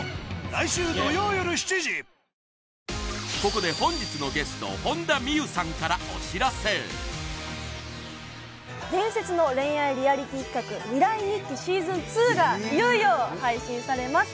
ここで本日のゲスト伝説の恋愛リアリティ企画「未来日記」シーズン２がいよいよ配信されます